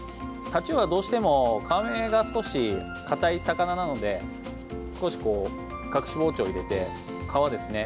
タチウオはどうしても皮目が少し硬い魚なので少し隠し包丁を入れて皮ですね。